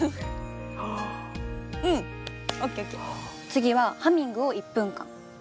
次はハミングを１分間。